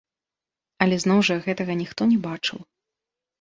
Але зноў жа гэтага ніхто не бачыў.